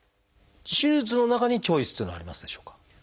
手術の中にチョイスっていうのはありますでしょうか？